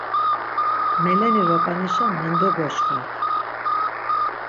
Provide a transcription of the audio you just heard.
Meleni raǩanişa mendegoşkvat.